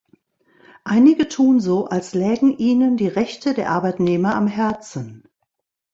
Einige tun so, als lägen ihnen die Rechte der Arbeitnehmer am Herzen.